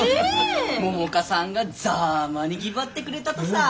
百花さんがざぁまにぎばってくれたとさぁ！